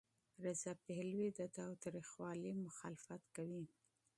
رضا پهلوي د تاوتریخوالي مخالفت کوي.